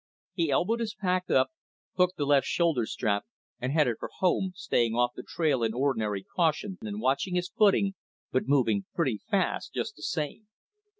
He elbowed his pack up, hooked the left shoulder strap, and headed for home, staying off the trail in ordinary caution and watching his footing, but moving pretty fast just the same.